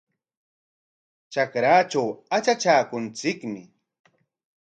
Kaytrawqa atratraakunchikmi .